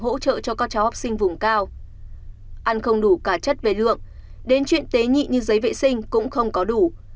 hỗ trợ cho các cháu học sinh vùng cao ăn không đủ cả chất về lượng đến chuyện tế nhị như giấy vệ sinh cũng không có đủ